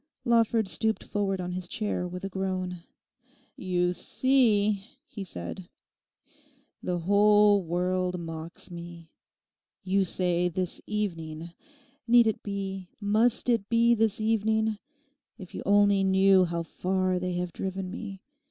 Lawford stooped forward on his chair with a groan. 'You see,' he said, 'the whole world mocks me. You say "this evening"; need it be, must it be this evening? If you only knew how far they have driven me.